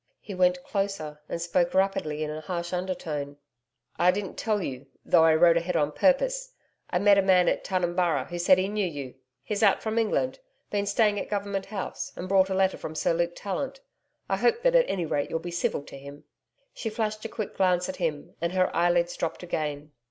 He went closer and spoke rapidly in a harsh undertone. 'I didn't tell you though I rode ahead on purpose I met a man at Tunumburra who said he knew you. He's out from England been staying at Government House, and brought a letter from Sir Luke Tallant. I hope that at any rate you'll be civil to him.' She flashed a quick glance at him, and her eyelids dropped again.